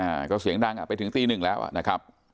อ่าก็เสียงดังอ่ะไปถึงตีหนึ่งแล้วอ่ะนะครับ